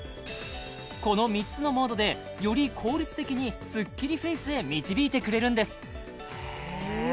この３つのモードでより効率的にスッキリフェイスへ導いてくれるんですへえ